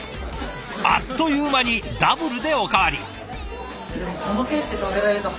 あっという間にダブルでお代わり！